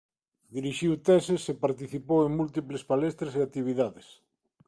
Dirixiu teses e participou en múltiples palestras e actividades.